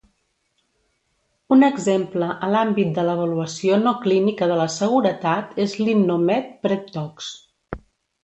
Un exemple a l'àmbit de l'avaluació no clínica de la seguretat és l'InnoMed PredTox.